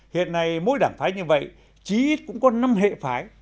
hiện nay mỗi đảng phái như vậy chí ít cũng có năm hệ phái